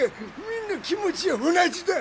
みんな気持ちは同じだ。